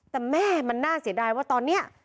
แต่แม่มันน่าเสียดายว่าตอนนี้